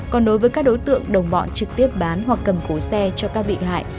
còn đối với các đối tượng đồng bọn trực tiếp bán hoặc cầm cố xe cho các bị hại